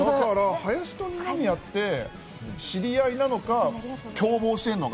林と二宮って知り合いなのか、共謀してるのか。